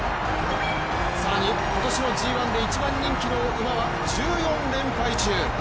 更に今年のＧⅠで一番人気の馬は１４連敗中。